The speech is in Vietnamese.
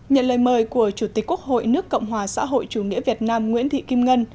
nhận lời mời của chủ tịch quốc hội nước cộng hòa xã hội chủ nghĩa việt nam nguyễn thị kim ngân